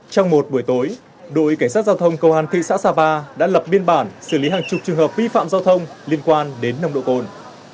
trong một buổi tối đội cảnh sát giao thông công an thị xã sapa đã lập biên bản xử lý hàng chục trường hợp vi phạm giao thông liên quan đến nồng độ cồn